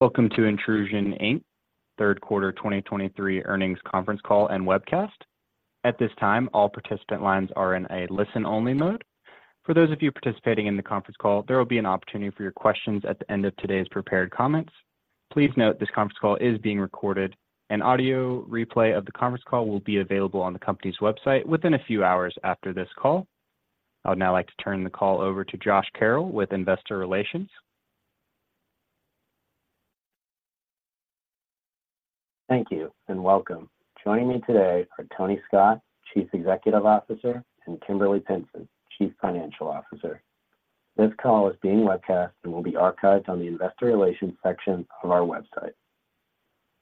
Welcome to Intrusion Inc, Third Quarter 2023 Earnings Conference Call and Webcast. At this time, all participant lines are in a listen-only mode. For those of you participating in the conference call, there will be an opportunity for your questions at the end of today's prepared comments. Please note this conference call is being recorded, and audio replay of the conference call will be available on the company's website within a few hours after this call. I would now like to turn the call over to Josh Carroll with Investor Relations. Thank you, and welcome. Joining me today are Tony Scott, Chief Executive Officer, and Kimberly Pinson, Chief Financial Officer. This call is being webcast and will be archived on the Investor Relations section of our website.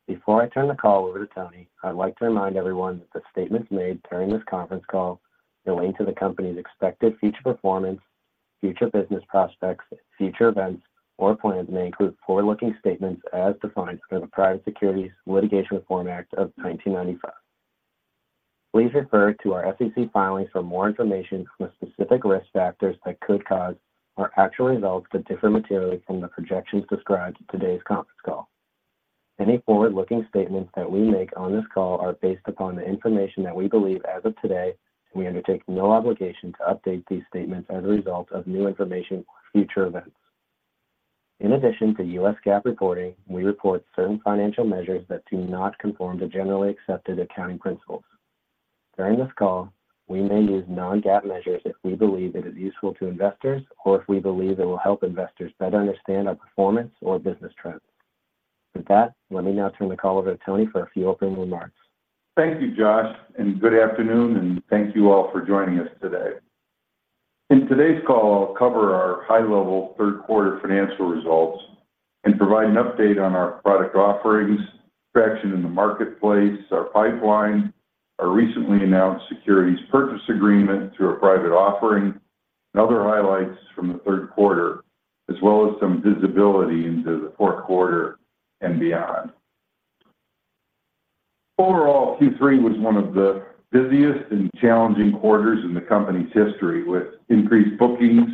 Before I turn the call over to Tony, I'd like to remind everyone that the statements made during this conference call relating to the company's expected future performance, future business prospects, future events, or plans may include forward-looking statements as defined under the Private Securities Litigation Reform Act of 1995. Please refer to our SEC filings for more information on the specific risk factors that could cause our actual results to differ materially from the projections described in today's conference call. Any forward-looking statements that we make on this call are based upon the information that we believe as of today, and we undertake no obligation to update these statements as a result of new information or future events. In addition to U.S. GAAP reporting, we report certain financial measures that do not conform to generally accepted accounting principles. During this call, we may use non-GAAP measures if we believe it is useful to investors or if we believe it will help investors better understand our performance or business trends. With that, let me now turn the call over to Tony for a few opening remarks. Thank you, Josh, and good afternoon, and thank you all for joining us today. In today's call, I'll cover our high-level third quarter financial results and provide an update on our product offerings, traction in the marketplace, our pipeline, our recently announced securities purchase agreement through a private offering, and other highlights from the third quarter, as well as some visibility into the fourth quarter and beyond. Overall, Q3 was one of the busiest and challenging quarters in the company's history, with increased bookings,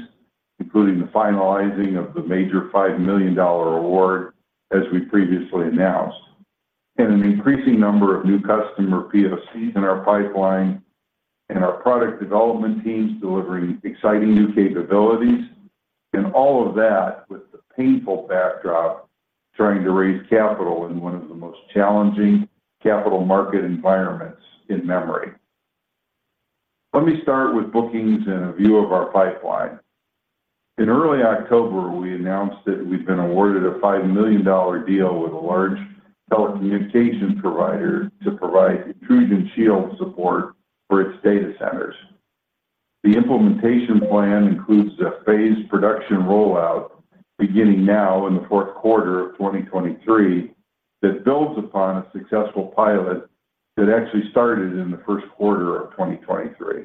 including the finalizing of the major $5 million award, as we previously announced, and an increasing number of new customer POCs in our pipeline and our product development teams delivering exciting new capabilities, and all of that with the painful backdrop, trying to raise capital in one of the most challenging capital market environments in memory. Let me start with bookings and a view of our pipeline. In early October, we announced that we've been awarded a $5 million deal with a large telecommunications provider to provide Intrusion Shield support for its data centers. The implementation plan includes a phased production rollout, beginning now in the fourth quarter of 2023, that builds upon a successful pilot that actually started in the first quarter of 2023.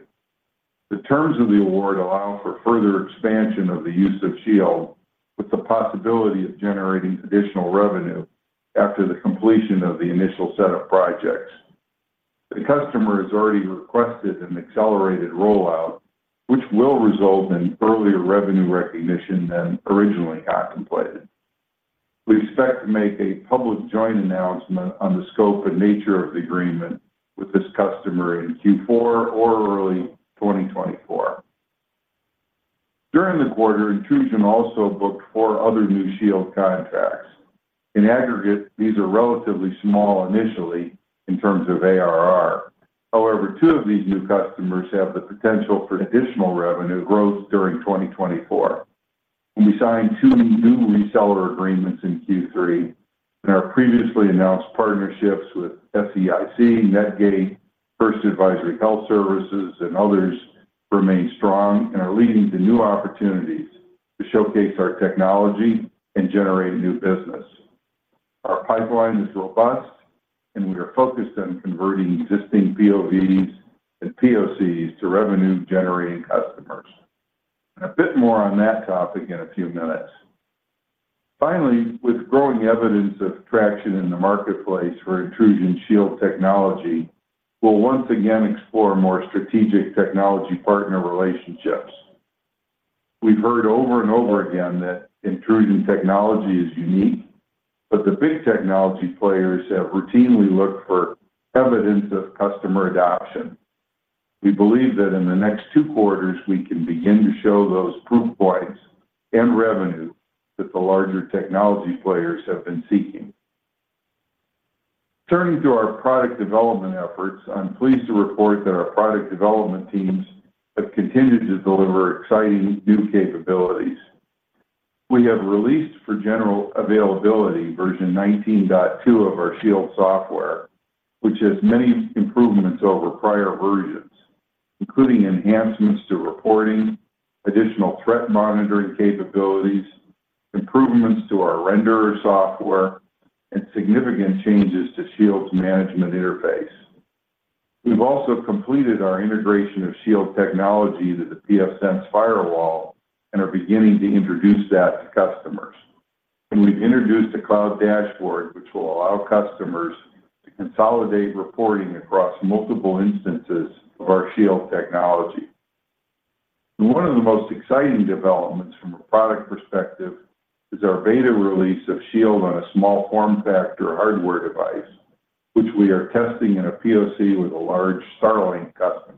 The terms of the award allow for further expansion of the use of Shield, with the possibility of generating additional revenue after the completion of the initial set of projects. The customer has already requested an accelerated rollout, which will result in earlier revenue recognition than originally contemplated. We expect to make a public joint announcement on the scope and nature of the agreement with this customer in Q4 or early 2024. During the quarter, Intrusion also booked four other new Shield contracts. In aggregate, these are relatively small initially in terms of ARR. However, two of these new customers have the potential for additional revenue growth during 2024. We signed two new reseller agreements in Q3, and our previously announced partnerships with SEIC, Netgate, First Advisory Health Services, and others remain strong and are leading to new opportunities to showcase our technology and generate new business. Our pipeline is robust, and we are focused on converting existing POV and POCs to revenue-generating customers. And a bit more on that topic in a few minutes. Finally, with growing evidence of traction in the marketplace for Intrusion Shield technology, we'll once again explore more strategic technology partner relationships. We've heard over and over again that Intrusion technology is unique, but the big technology players have routinely looked for evidence of customer adoption. We believe that in the next two quarters, we can begin to show those proof points and revenue that the larger technology players have been seeking. Turning to our product development efforts, I'm pleased to report that our product development teams have continued to deliver exciting new capabilities. We have released for general availability version 19.2 of our Shield software, which has many improvements over prior versions, including enhancements to reporting, additional threat monitoring capabilities, improvements to our renderer software, and significant changes to Shield's management interface. We've also completed our integration of Shield technology to the pfSense firewall and are beginning to introduce that to customers. We've introduced a cloud dashboard, which will allow customers to consolidate reporting across multiple instances of our Shield technology. One of the most exciting developments from a product perspective is our beta release of Shield on a small form factor hardware device, which we are testing in a POC with a large Starlink customer.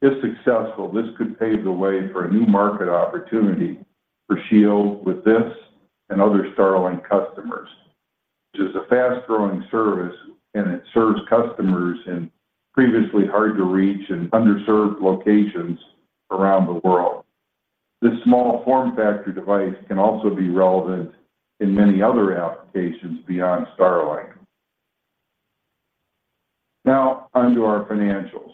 If successful, this could pave the way for a new market opportunity for Shield with this and other Starlink customers. Which is a fast-growing service, and it serves customers in previously hard-to-reach and underserved locations around the world. This small form factor device can also be relevant in many other applications beyond Starlink. Now, on to our financials.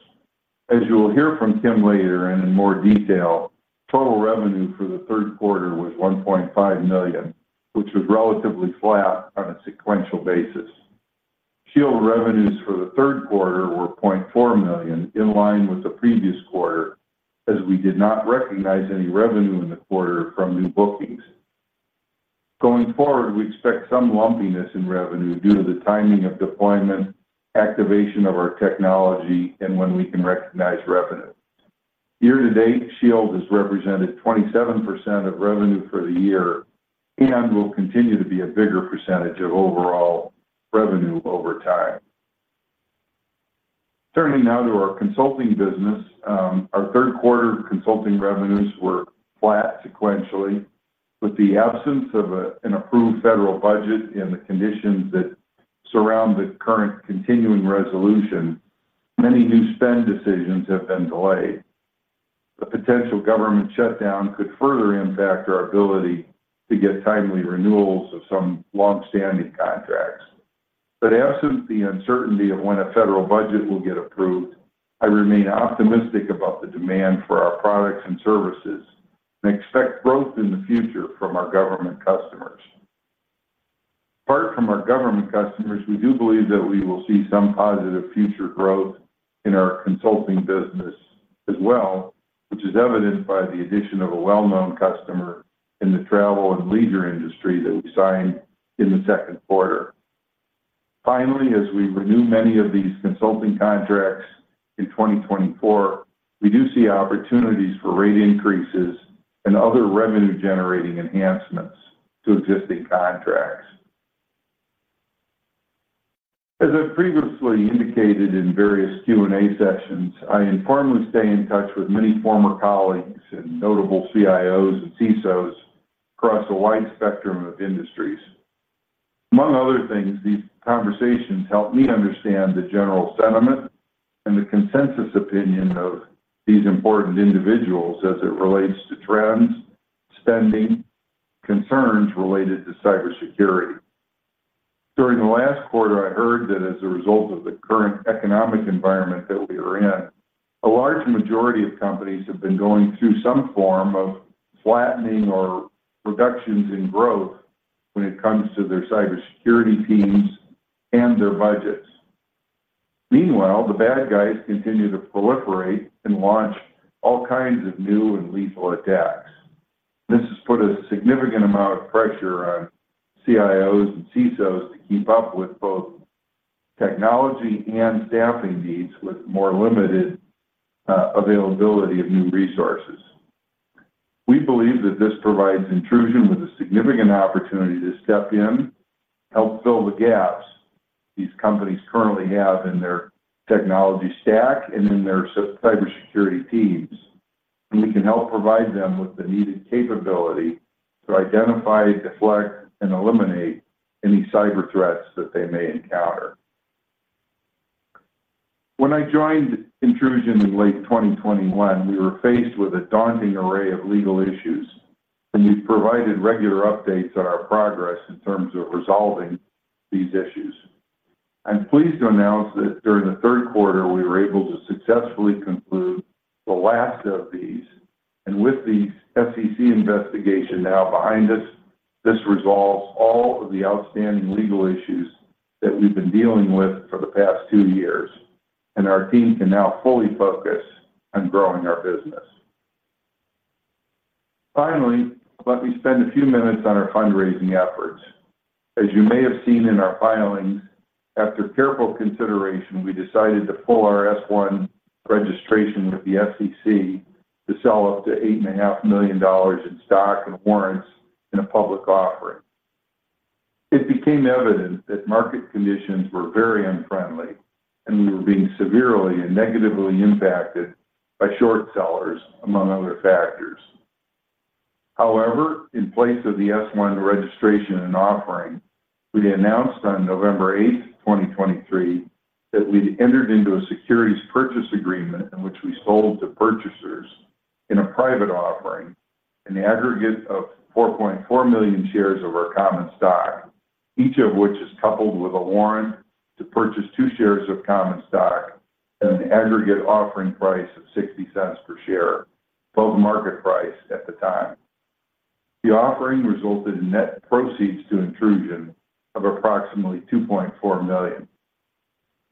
As you will hear from Kim later and in more detail, total revenue for the third quarter was $1.5 million, which was relatively flat on a sequential basis. Shield revenues for the third quarter were $0.4 million, in line with the previous quarter, as we did not recognize any revenue in the quarter from new bookings. Going forward, we expect some lumpiness in revenue due to the timing of deployment, activation of our technology, and when we can recognize revenue. Year-to-date, Shield has represented 27% of revenue for the year and will continue to be a bigger percentage of overall revenue over time. Turning now to our consulting business, our third quarter consulting revenues were flat sequentially. With the absence of an approved federal budget and the conditions that surround the current continuing resolution, many new spend decisions have been delayed. A potential government shutdown could further impact our ability to get timely renewals of some long-standing contracts. But absent the uncertainty of when a federal budget will get approved, I remain optimistic about the demand for our products and services and expect growth in the future from our government customers. Apart from our government customers, we do believe that we will see some positive future growth in our consulting business as well, which is evidenced by the addition of a well-known customer in the travel and leisure industry that we signed in the second quarter. Finally, as we renew many of these consulting contracts in 2024, we do see opportunities for rate increases and other revenue-generating enhancements to existing contracts. As I previously indicated in various Q&A sessions, I informally stay in touch with many former colleagues and notable CIOs and CISOs across a wide spectrum of industries. Among other things, these conversations help me understand the general sentiment and the consensus opinion of these important individuals as it relates to trends, spending, concerns related to cybersecurity. During the last quarter, I heard that as a result of the current economic environment that we are in, a large majority of companies have been going through some form of flattening or reductions in growth when it comes to their cybersecurity teams and their budgets. Meanwhile, the bad guys continue to proliferate and launch all kinds of new and lethal attacks. This has put a significant amount of pressure on CIOs and CISOs to keep up with both technology and staffing needs, with more limited availability of new resources. We believe that this provides Intrusion with a significant opportunity to step in, help fill the gaps these companies currently have in their technology stack and in their cybersecurity teams. We can help provide them with the needed capability to identify, deflect, and eliminate any cyber threats that they may encounter. When I joined Intrusion in late 2021, we were faced with a daunting array of legal issues, and we've provided regular updates on our progress in terms of resolving these issues. I'm pleased to announce that during the third quarter, we were able to successfully conclude the last of these, and with the SEC investigation now behind us, this resolves all of the outstanding legal issues that we've been dealing with for the past two years, and our team can now fully focus on growing our business. Finally, let me spend a few minutes on our fundraising efforts. As you may have seen in our filings, after careful consideration, we decided to pull our S-1 registration with the SEC to sell up to $8.5 million in stock and warrants in a public offering. It became evident that market conditions were very unfriendly, and we were being severely and negatively impacted by short sellers, among other factors. However, in place of the S-1 registration and offering, we announced on November eighth, 2023, that we'd entered into a securities purchase agreement in which we sold to purchasers in a private offering, an aggregate of 4.4 million shares of our common stock, each of which is coupled with a warrant to purchase two shares of common stock at an aggregate offering price of $0.60 per share, below the market price at the time. The offering resulted in net proceeds to Intrusion of approximately $2.4 million.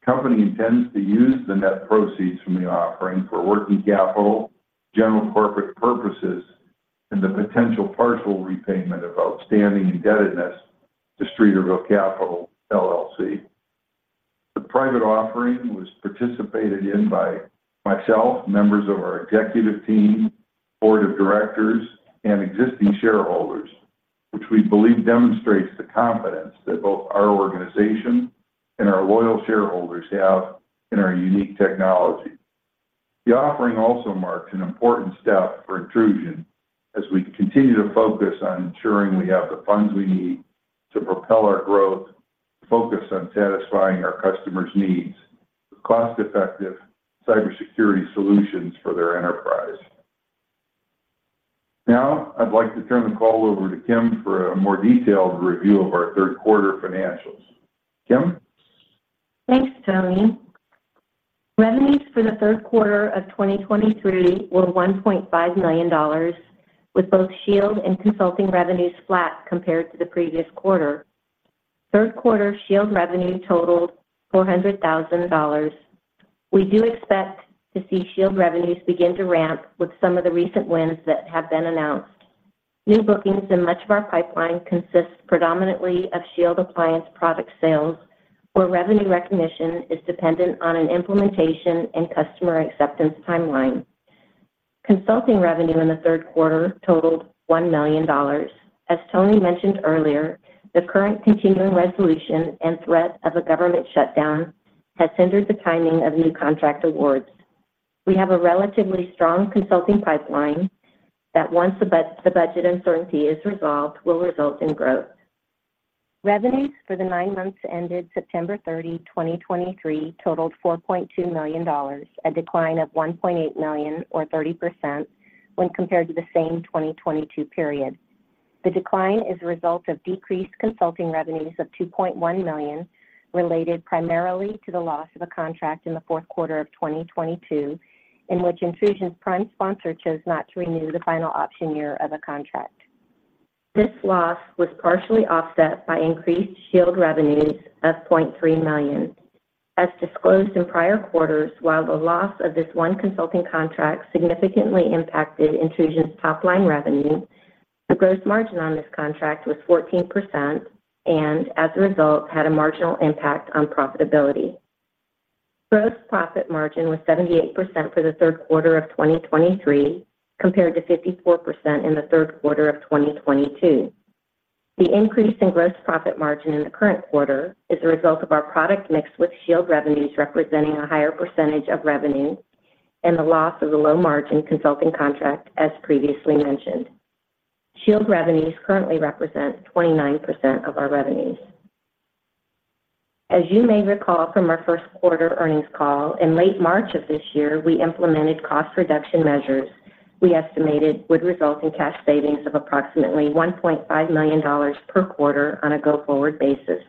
Company intends to use the net proceeds from the offering for working capital, general corporate purposes, and the potential partial repayment of outstanding indebtedness to Streeterville Capital, LLC. The private offering was participated in by myself, members of our executive team, board of directors, and existing shareholders, which we believe demonstrates the confidence that both our organization and our loyal shareholders have in our unique technology. The offering also marks an important step for Intrusion as we continue to focus on ensuring we have the funds we need to propel our growth, focus on satisfying our customers' needs with cost-effective cybersecurity solutions for their enterprise. Now, I'd like to turn the call over to Kim for a more detailed review of our third quarter financials. Kim? Thanks, Tony. Revenues for the third quarter of 2023 were $1.5 million, with both Shield and consulting revenues flat compared to the previous quarter. Third quarter Shield revenue totaled $400,000. We do expect to see Shield revenues begin to ramp with some of the recent wins that have been announced. New bookings in much of our pipeline consists predominantly of Shield appliance product sales, where revenue recognition is dependent on an implementation and customer acceptance timeline. Consulting revenue in the third quarter totaled $1 million. As Tony mentioned earlier, the current continuing resolution and threat of a government shutdown has hindered the timing of new contract awards. We have a relatively strong consulting pipeline that, once the budget uncertainty is resolved, will result in growth. Revenues for the nine months ended September 30, 2023, totaled $4.2 million, a decline of $1.8 million or 30% when compared to the same 2022 period. The decline is a result of decreased consulting revenues of $2.1 million, related primarily to the loss of a contract in the fourth quarter of 2022, in which Intrusion's prime sponsor chose not to renew the final option year of the contract. This loss was partially offset by increased Shield revenues of $0.3 million. As disclosed in prior quarters, while the loss of this one consulting contract significantly impacted Intrusion's top-line revenue, the gross margin on this contract was 14% and, as a result, had a marginal impact on profitability. Gross profit margin was 78% for the third quarter of 2023, compared to 54% in the third quarter of 2022. The increase in gross profit margin in the current quarter is a result of our product mix, with Shield revenues representing a higher percentage of revenue and the loss of the low-margin consulting contract, as previously mentioned. Shield revenues currently represent 29% of our revenues. As you may recall from our first quarter earnings call, in late March of this year, we implemented cost reduction measures we estimated would result in cash savings of approximately $1.5 million per quarter on a go-forward basis.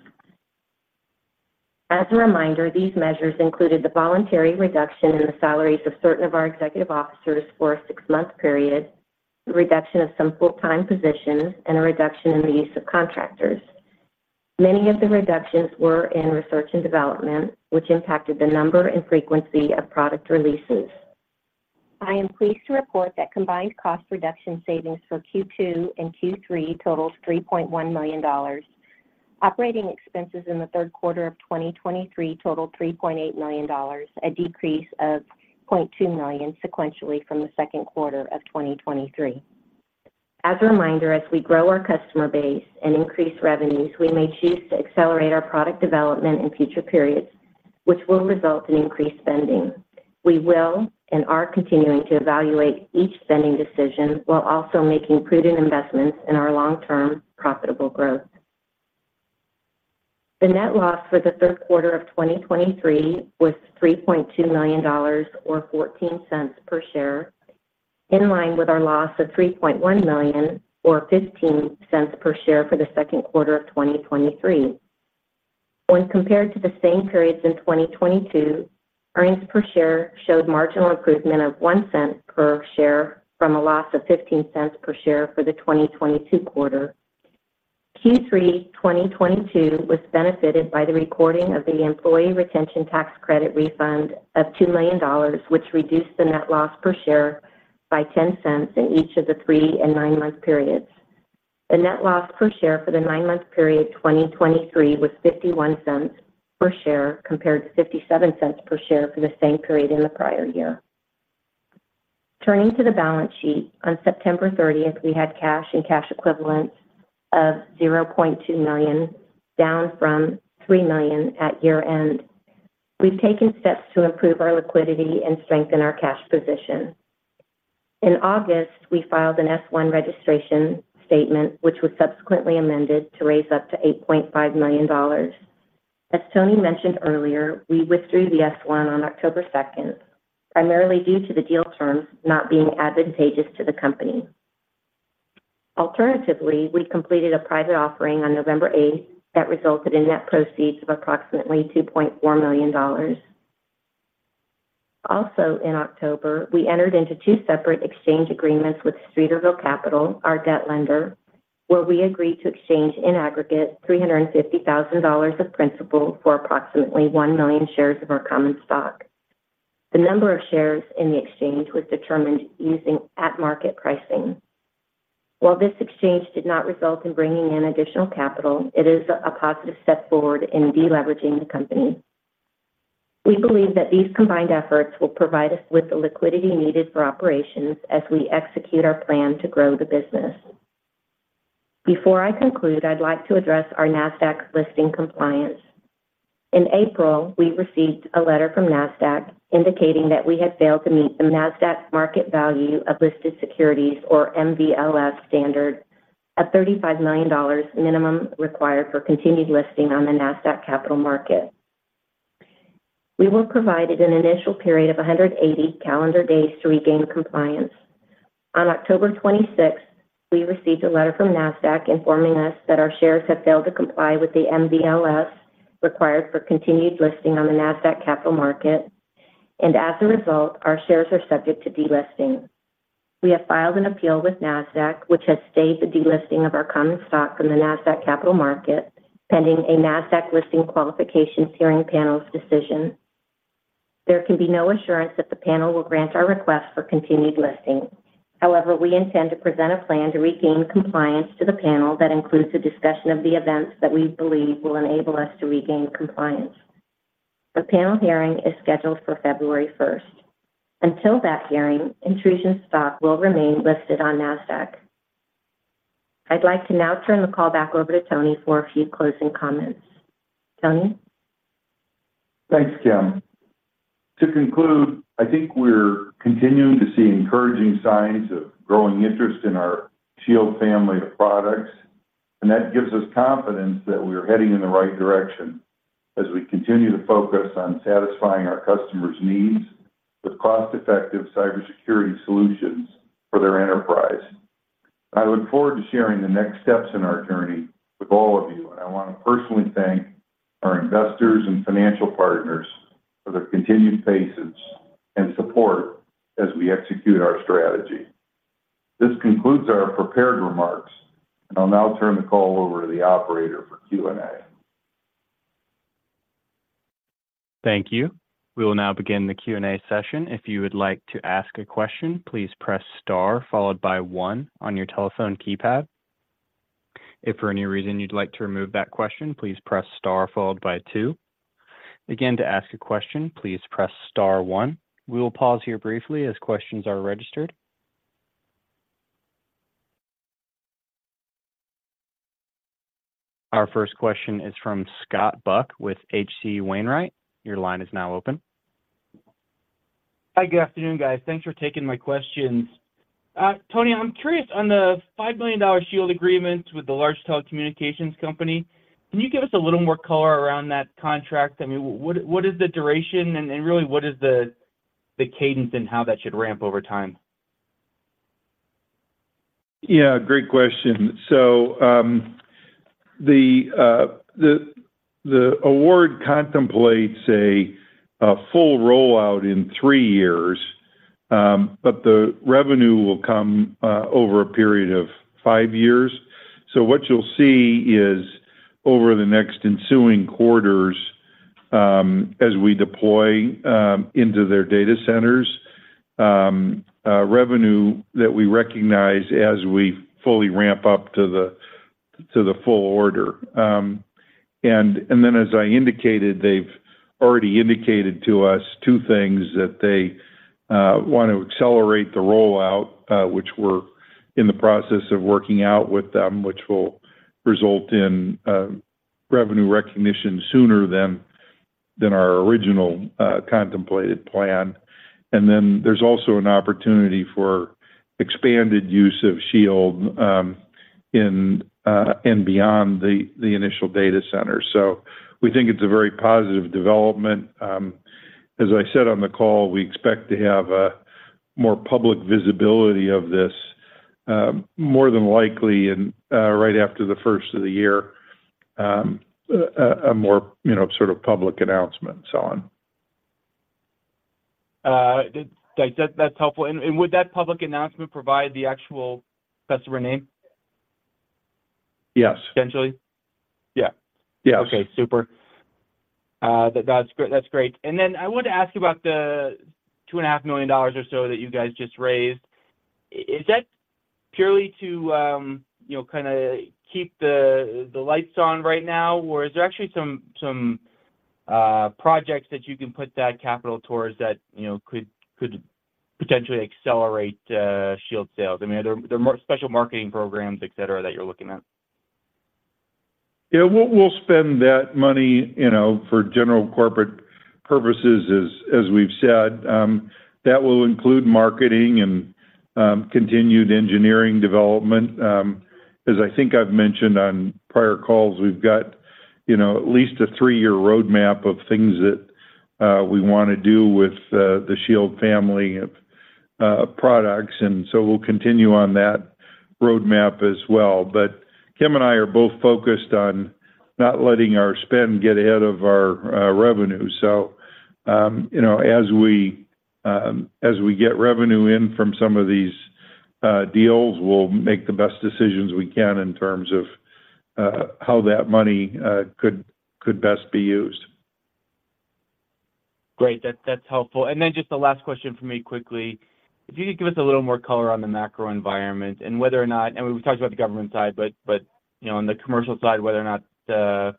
As a reminder, these measures included the voluntary reduction in the salaries of certain of our executive officers for a six-month period, the reduction of some full-time positions, and a reduction in the use of contractors. Many of the reductions were in research and development, which impacted the number and frequency of product releases. I am pleased to report that combined cost reduction savings for Q2 and Q3 totals $3.1 million. Operating expenses in the third quarter of 2023 totaled $3.8 million, a decrease of $0.2 million sequentially from the second quarter of 2023. As a reminder, as we grow our customer base and increase revenues, we may choose to accelerate our product development in future periods, which will result in increased spending. We will and are continuing to evaluate each spending decision while also making prudent investments in our long-term profitable growth. The net loss for the third quarter of 2023 was $3.2 million or $0.14 per share, in line with our loss of $3.1 million or $0.15 per share for the second quarter of 2023. When compared to the same periods in 2022, earnings per share showed marginal improvement of $0.01 per share from a loss of $0.15 per share for the 2022 quarter. Q3 2022 was benefited by the recording of the employee retention tax credit refund of $2 million, which reduced the net loss per share by $0.10 in each of the three- and nine-month periods. The net loss per share for the nine-month period 2023 was $0.51 per share, compared to $0.57 per share for the same period in the prior year. Turning to the balance sheet, on September 30th, we had cash and cash equivalents of $0.2 million, down from $3 million at year-end. We've taken steps to improve our liquidity and strengthen our cash position. In August, we filed an S-1 registration statement, which was subsequently amended to raise up to $8.5 million. As Tony mentioned earlier, we withdrew the S-1 on October 2nd, primarily due to the deal terms not being advantageous to the company. Alternatively, we completed a private offering on November 8th that resulted in net proceeds of approximately $2.4 million. Also in October, we entered into two separate exchange agreements with Streeterville Capital, our debt lender, where we agreed to exchange, in aggregate, $350,000 of principal for approximately 1 million shares of our common stock. The number of shares in the exchange was determined using at-market pricing. While this exchange did not result in bringing in additional capital, it is a positive step forward in de-leveraging the company. We believe that these combined efforts will provide us with the liquidity needed for operations as we execute our plan to grow the business. Before I conclude, I'd like to address our Nasdaq listing compliance. In April, we received a letter from Nasdaq indicating that we had failed to meet the Nasdaq market value of listed securities, or MVLS standard, of $35 million minimum required for continued listing on the Nasdaq Capital Market. We were provided an initial period of 180 calendar days to regain compliance. On October 26th, we received a letter from Nasdaq informing us that our shares have failed to comply with the MVLS required for continued listing on the Nasdaq Capital Market, and as a result, our shares are subject to delisting. We have filed an appeal with Nasdaq, which has stayed the delisting of our common stock from the Nasdaq Capital Market, pending a Nasdaq Listing Qualifications Hearing Panel's decision. There can be no assurance that the panel will grant our request for continued listing. However, we intend to present a plan to regain compliance to the panel that includes a discussion of the events that we believe will enable us to regain compliance. The panel hearing is scheduled for February 1. Until that hearing, Intrusion's stock will remain listed on Nasdaq. I'd like to now turn the call back over to Tony for a few closing comments. Tony? Thanks, Kim. To conclude, I think we're continuing to see encouraging signs of growing interest in our Shield family of products, and that gives us confidence that we're heading in the right direction as we continue to focus on satisfying our customers' needs with cost-effective cybersecurity solutions for their enterprise. I look forward to sharing the next steps in our journey with all of you, and I want to personally thank our investors and financial partners for their continued patience and support as we execute our strategy. This concludes our prepared remarks, and I'll now turn the call over to the operator for Q&A. Thank you. We will now begin the Q&A session. If you would like to ask a question, please press star followed by one on your telephone keypad. If for any reason you'd like to remove that question, please press star followed by two. Again, to ask a question, please press star one. We will pause here briefly as questions are registered. Our first question is from Scott Buck with H.C. Wainwright. Your line is now open. Hi, good afternoon, guys. Thanks for taking my questions. Tony, I'm curious, on the $5 million Shield agreement with the large telecommunications company, can you give us a little more color around that contract? I mean, what, what is the duration and, and really, what is the, the cadence and how that should ramp over time? Yeah, great question. So, the award contemplates a full rollout in three years, but the revenue will come over a period of five years. So what you'll see is over the next ensuing quarters, as we deploy into their data centers, revenue that we recognize as we fully ramp up to the full order. And then, as I indicated, they've already indicated to us two things, that they want to accelerate the rollout, which we're in the process of working out with them, which will result in revenue recognition sooner than our original contemplated plan. And then there's also an opportunity for expanded use of Shield, in and beyond the initial data center. So we think it's a very positive development. As I said on the call, we expect to have a more public visibility of this, more than likely in right after the first of the year, you know, sort of public announcement on. That's helpful. And would that public announcement provide the actual customer name? Yes. Potentially? Yeah. Yeah. Okay, super. That’s great. That’s great. And then I wanted to ask you about the $2.5 million or so that you guys just raised. Is that purely to, you know, kind of keep the lights on right now, or is there actually some projects that you can put that capital towards that, you know, could potentially accelerate Shield sales? I mean, are there more special marketing programs, et cetera, that you're looking at? Yeah, we'll spend that money, you know, for general corporate purposes as we've said. That will include marketing and continued engineering development. As I think I've mentioned on prior calls, we've got, you know, at least a three-year roadmap of things that we want to do with the Shield family of products, and so we'll continue on that roadmap as well. But Kim and I are both focused on not letting our spend get ahead of our revenue. So, you know, as we get revenue in from some of these deals, we'll make the best decisions we can in terms of how that money could best be used. Great. That's, that's helpful. And then just the last question from me quickly, if you could give us a little more color on the macro environment and whether or not, and we've talked about the government side, but, but, you know, on the commercial side, whether or not the,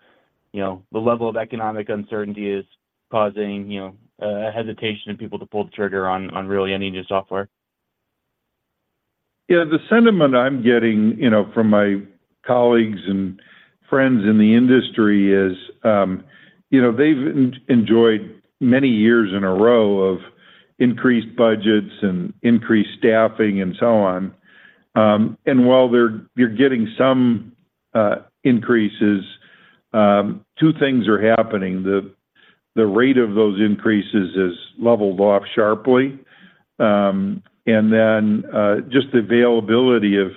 you know, the level of economic uncertainty is causing, you know, hesitation in people to pull the trigger on, on really any new software? Yeah, the sentiment I'm getting, you know, from my colleagues and friends in the industry is, you know, they've enjoyed many years in a row of increased budgets and increased staffing and so on. And while you're getting some increases, two things are happening. The rate of those increases has leveled off sharply, and then just the availability of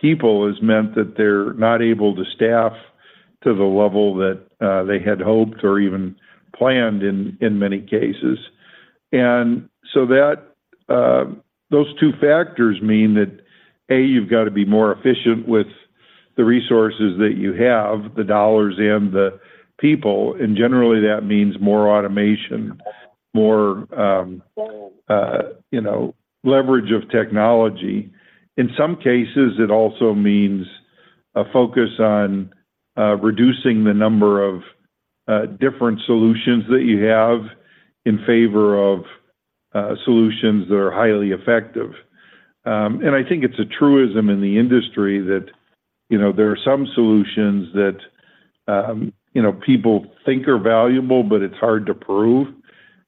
people has meant that they're not able to staff to the level that they had hoped or even planned in many cases. And so that those two factors mean that, A, you've got to be more efficient with the resources that you have, the dollars and the people, and generally, that means more automation, more, you know, leverage of technology. In some cases, it also means a focus on reducing the number of different solutions that you have in favor of solutions that are highly effective. And I think it's a truism in the industry that, you know, there are some solutions that, you know, people think are valuable, but it's hard to prove.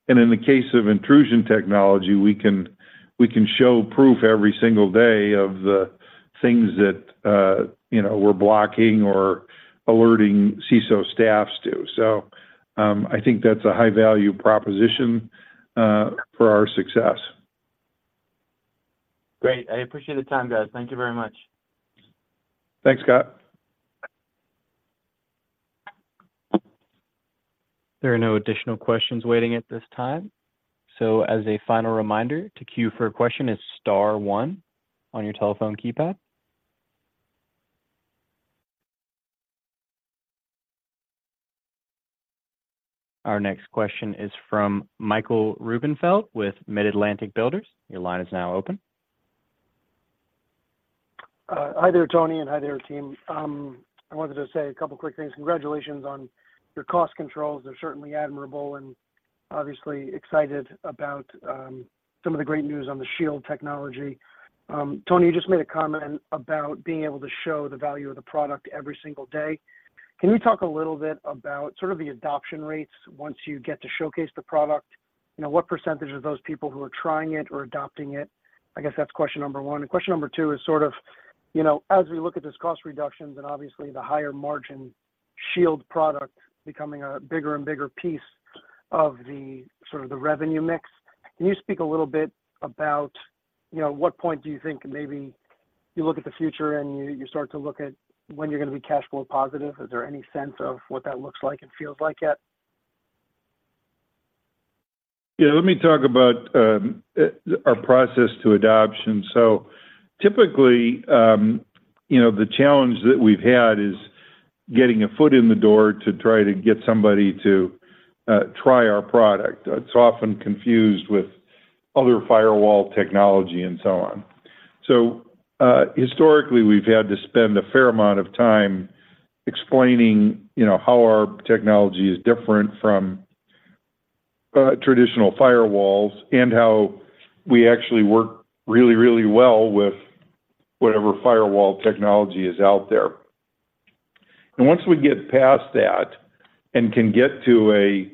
And in the case of Intrusion technology, we can, we can show proof every single day of the things that, you know, we're blocking or alerting CISO staffs to. So, I think that's a high-value proposition for our success. Great. I appreciate the time, guys. Thank you very much. Thanks, Scott. There are no additional questions waiting at this time. As a final reminder, to queue for a question is star one on your telephone keypad. Our next question is from Michael Rubinfeld with Mid-Atlantic Builders. Your line is now open. Hi there, Tony, and hi there, team. I wanted to say a couple of quick things. Congratulations on your cost controls. They're certainly admirable and obviously excited about some of the great news on the Shield technology. Tony, you just made a comment about being able to show the value of the product every single day. Can you talk a little bit about sort of the adoption rates once you get to showcase the product? You know, what percentage of those people who are trying it or adopting it? I guess that's question number one. Question number two is sort of, you know, as we look at this cost reductions and obviously the higher margin Shield product becoming a bigger and bigger piece of the, sort of the revenue mix, can you speak a little bit about, you know, what point do you think maybe you look at the future and you, you start to look at when you're going to be cash flow positive? Is there any sense of what that looks like and feels like yet? Yeah, let me talk about our process to adoption. So typically, you know, the challenge that we've had is getting a foot in the door to try to get somebody to try our product. It's often confused with other firewall technology and so on. So, historically, we've had to spend a fair amount of time explaining, you know, how our technology is different from traditional firewalls and how we actually work really, really well with whatever firewall technology is out there. And once we get past that and can get to a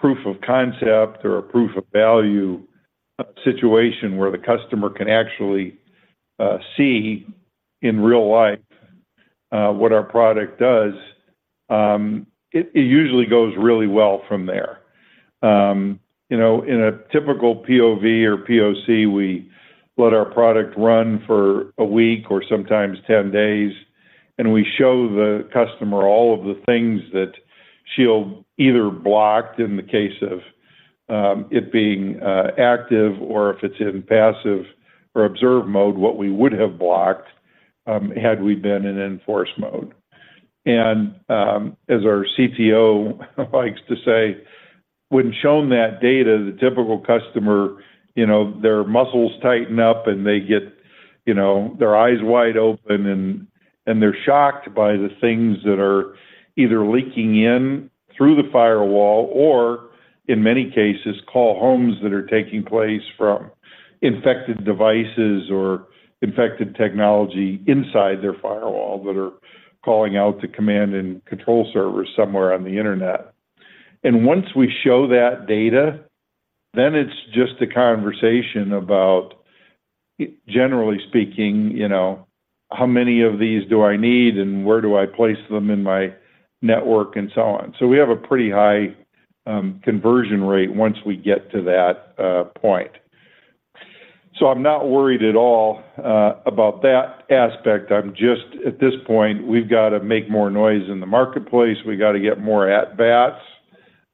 proof of concept or a proof of value situation, where the customer can actually see in real life what our product does, it usually goes really well from there. You know, in a typical POV or POC, we let our product run for a week or sometimes 10 days, and we show the customer all of the things that Shield either blocked in the case of it being active or if it's in passive or observe mode, what we would have blocked had we been in enforced mode. As our CTO likes to say, when shown that data, the typical customer, you know, their muscles tighten up and they get, you know, their eyes wide open and they're shocked by the things that are either leaking in through the firewall or in many cases, call homes that are taking place from infected devices or infected technology inside their firewall that are calling out to command and control servers somewhere on the internet. Once we show that data, then it's just a conversation about, generally speaking, you know, how many of these do I need and where do I place them in my network and so on. We have a pretty high conversion rate once we get to that point. I'm not worried at all about that aspect. I'm just at this point, we've got to make more noise in the marketplace. We got to get more at bats.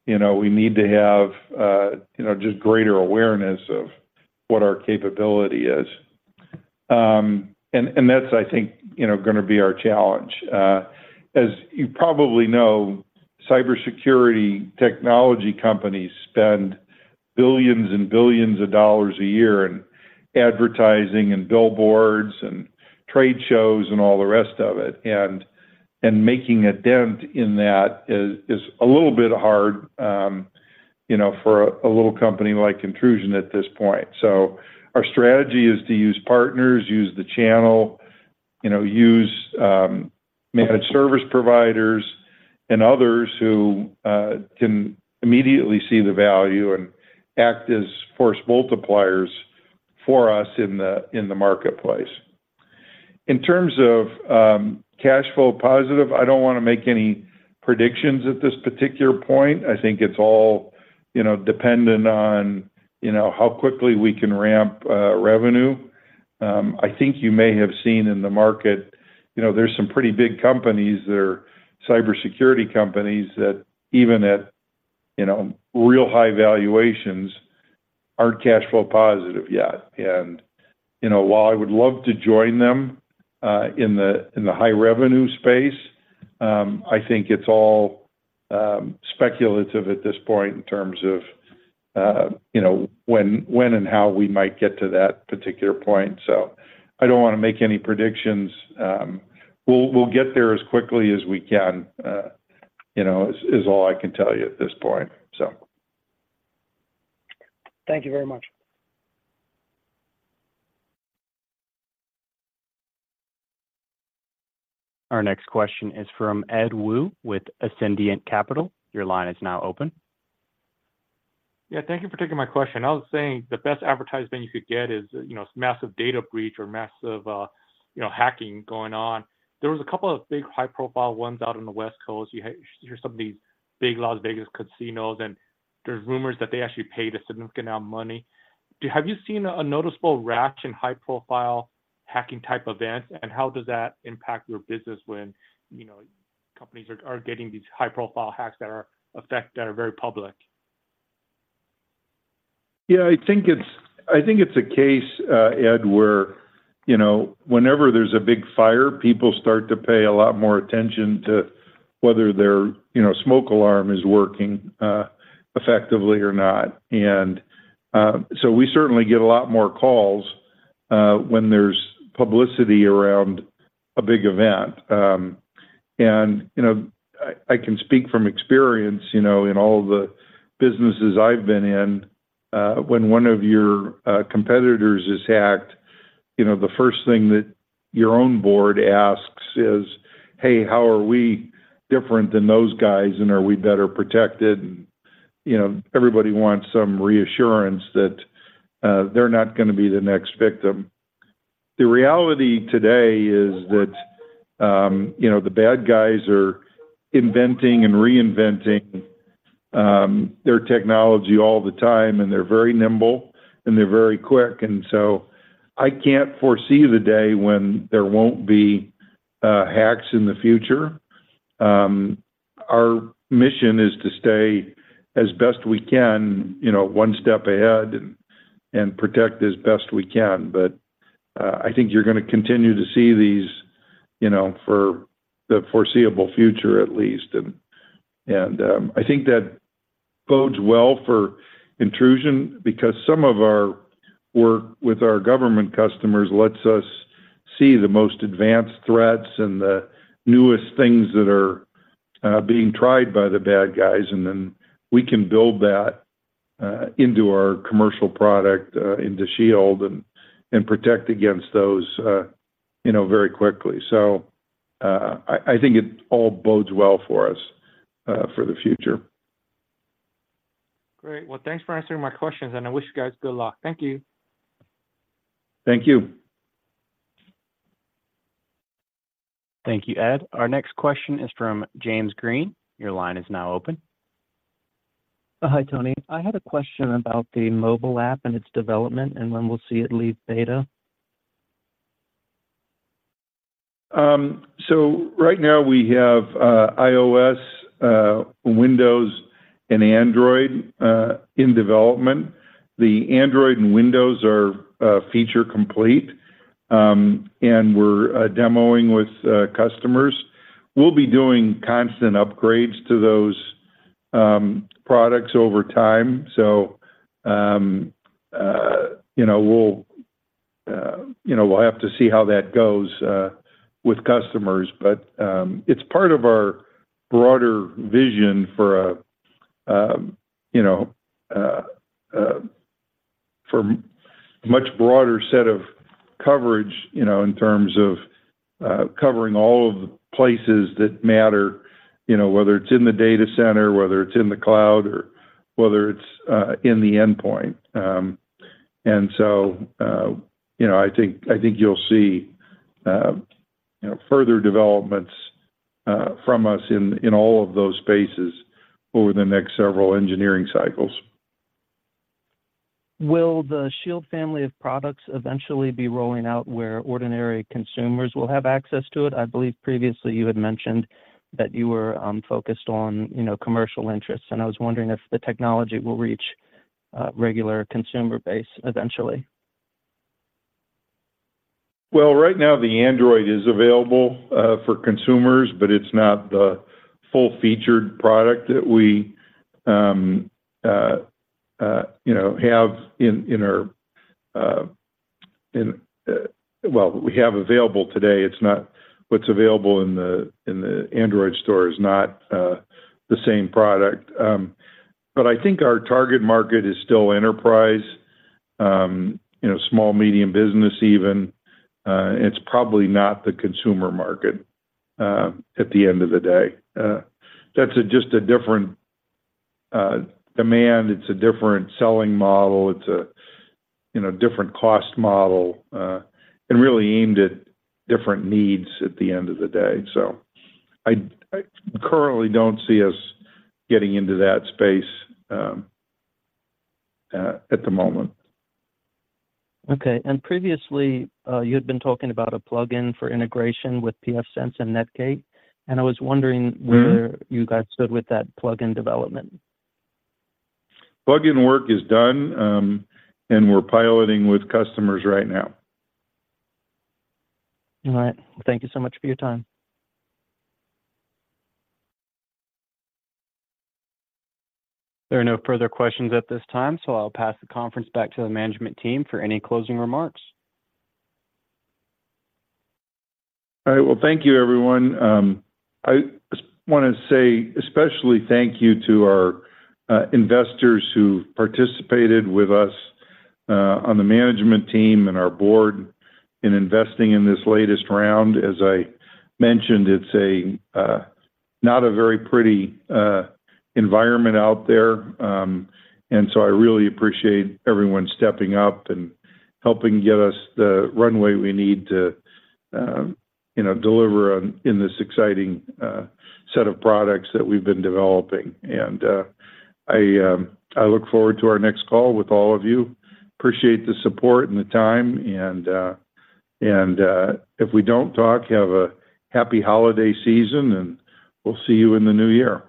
You know, we need to have you know, just greater awareness of what our capability is. And that's, I think, you know, gonna be our challenge. As you probably know, cybersecurity technology companies spend billions and billions of dollars a year in advertising, and billboards, and trade shows, and all the rest of it. Making a dent in that is a little bit hard, you know, for a little company like Intrusion at this point. So our strategy is to use partners, use the channel, you know, use managed service providers and others who can immediately see the value and act as force multipliers for us in the marketplace. In terms of cash flow positive, I don't want to make any predictions at this particular point. I think it's all, you know, dependent on, you know, how quickly we can ramp revenue. I think you may have seen in the market, you know, there's some pretty big companies that are cybersecurity companies that even at, you know, real high valuations, aren't cash flow positive yet. And, you know, while I would love to join them in the high revenue space, I think it's all speculative at this point in terms of, you know, when and how we might get to that particular point. So I don't want to make any predictions. We'll get there as quickly as we can, you know, is all I can tell you at this point, so. Thank you very much. Our next question is from Ed Woo with Ascendiant Capital. Your line is now open. Yeah, thank you for taking my question. I was saying the best advertisement you could get is, you know, massive data breach or massive, you know, hacking going on. There was a couple of big, high-profile ones out on the West Coast. You had some of these big Las Vegas casinos, and there's rumors that they actually paid a significant amount of money. Have you seen a noticeable rash in high-profile hacking type events? And how does that impact your business when, you know, companies are getting these high-profile hacks that are very public? Yeah, I think it's, I think it's a case, Edward, where, you know, whenever there's a big fire, people start to pay a lot more attention to whether their, you know, smoke alarm is working, effectively or not. So we certainly get a lot more calls, when there's publicity around a big event. And, you know, I, I can speak from experience, you know, in all of the businesses I've been in, when one of your, competitors is hacked, you know, the first thing that your own board asks is: "Hey, how are we different than those guys, and are we better protected?" You know, everybody wants some reassurance that, they're not gonna be the next victim. The reality today is that, you know, the bad guys are inventing and reinventing their technology all the time, and they're very nimble, and they're very quick. And so I can't foresee the day when there won't be hacks in the future. Our mission is to stay as best we can, you know, one step ahead and protect as best we can. But I think you're gonna continue to see these, you know, for the foreseeable future at least. And I think that bodes well for Intrusion, because some of our work with our government customers lets us see the most advanced threats and the newest things that are being tried by the bad guys, and then we can build that into our commercial product, into Shield, and protect against those, you know, very quickly. So, I think it all bodes well for us, for the future. Great. Well, thanks for answering my questions, and I wish you guys good luck. Thank you. Thank you. Thank you, Ed. Our next question is from James Green. Your line is now open. Hi, Tony. I had a question about the mobile app and its development, and when we'll see it leave beta? So right now we have iOS, Windows and Android in development. The Android and Windows are feature complete, and we're demoing with customers. We'll be doing constant upgrades to those products over time. So you know, we'll have to see how that goes with customers. But it's part of our broader vision, you know, for a much broader set of coverage, you know, in terms of covering all of the places that matter, you know, whether it's in the data center, whether it's in the cloud, or whether it's in the endpoint. And so you know, I think you'll see you know, further developments from us in all of those spaces over the next several engineering cycles. Will the Shield family of products eventually be rolling out where ordinary consumers will have access to it? I believe previously you had mentioned that you were focused on, you know, commercial interests, and I was wondering if the technology will reach regular consumer base eventually? Well, right now, the Android is available for consumers, but it's not the full-featured product that we you know have available today. It's not—What's available in the Android store is not the same product. But I think our target market is still enterprise you know small, medium business even. It's probably not the consumer market at the end of the day. That's just a different demand, it's a different selling model, it's a you know different cost model and really aimed at different needs at the end of the day. So I, I currently don't see us getting into that space at the moment. Okay. And previously, you had been talking about a plugin for integration with pfSense and Netgate, and I was wondering where you guys stood with that plugin development. Plugin work is done, and we're piloting with customers right now. All right. Thank you so much for your time. There are no further questions at this time, so I'll pass the conference back to the management team for any closing remarks. All right. Well, thank you, everyone. I just want to say especially thank you to our investors who participated with us on the management team and our board in investing in this latest round. As I mentioned, it's not a very pretty environment out there, and so I really appreciate everyone stepping up and helping get us the runway we need to you know deliver on in this exciting set of products that we've been developing. And I look forward to our next call with all of you. Appreciate the support and the time, and if we don't talk, have a happy holiday season, and we'll see you in the new year.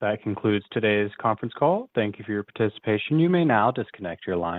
That concludes today's conference call. Thank you for your participation. You may now disconnect your lines.